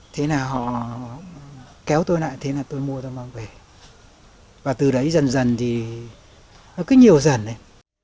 thế là họ kéo tôi lại thế là tôi mua tôi mang về và từ đấy dần dần thì nó cứ nhiều dần này